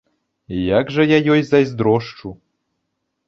Як жа я ёй зайздрошчу!